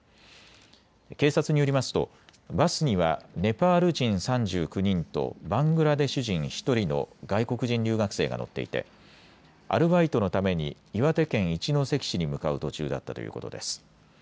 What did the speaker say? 警察によりますとバスにはネパール人３９人とバングラデシュ人１人の外国人留学生が乗っていてアルバイトのために岩手県一関市に向かう途中だったということです。